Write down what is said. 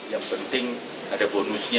yang penting ada bonusnya